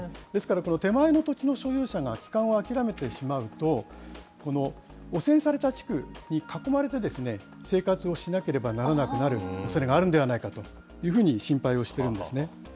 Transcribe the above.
ですから、この手前の土地の所有者が帰還を諦めてしまうと、この汚染された地区に囲まれてですね、生活をしなければならなくなるおそれがあるんではないかと心配をしているんですね。